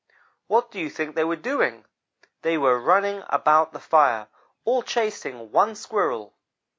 What do you think they were doing? They were running about the fire all chasing one Squirrel.